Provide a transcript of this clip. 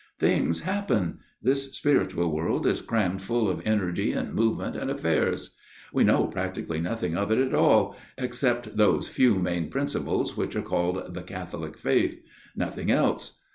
Things happen this spiritual world is crammed full of energy and movement and affairs. ... We know practically nothing of it all, except those few main principles which are called the Catholic Faith nothing else.